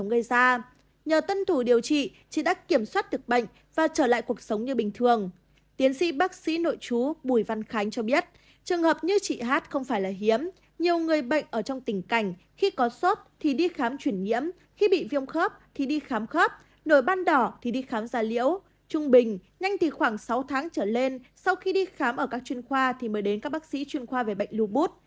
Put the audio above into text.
nhanh thì khoảng sáu tháng trở lên sau khi đi khám ở các chuyên khoa thì mới đến các bác sĩ chuyên khoa về bệnh lưu bút